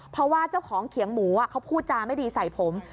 เพราะว่าเจ้าของเขียงหมูเขาพูดจาไม่ดีใส่ผม